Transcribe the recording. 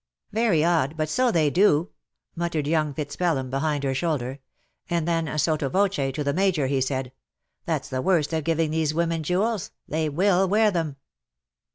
" Very odd, but so they do," muttered young FitzPelham, behind her shoulder ; and then, sotto voce to the Major, he said — "that^s the worst of giving these women jewels, they will wear them."